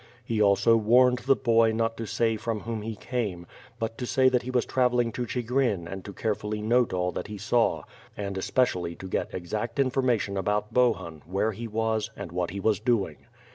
He also warned the boy not to say from whom he came, but to say that he was travelling to Ohigrin and to carefully note all that he saw; and especially to get exact information about Bohun, where he was, and what he was doing.